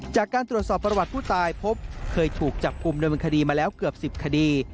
จากการตรวจสอบประวัติผู้ตายพบเคยถูกจับกลุ่มโดยบังคดีมาแล้วเกือบ๑๐คดี